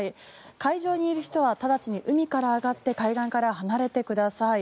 海上にいる人は直ちに海から上がって海岸から離れてください。